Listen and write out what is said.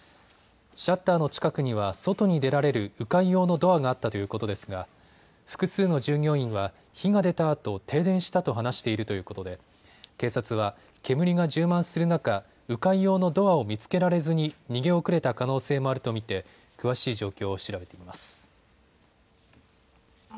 シャッターの近くには外に出られる、う回用のドアがあったということですが複数の従業員は、火が出たあと停電したと話しているということで警察は煙が充満する中、う回用のドアを見つけられずに逃げ遅れた可能性もあると見て詳しい状況を調べています。